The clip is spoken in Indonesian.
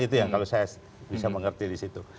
itu yang kalau saya bisa mengerti disitu